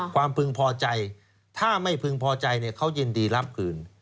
พึงพอใจถ้าไม่พึงพอใจเขายินดีรับคืน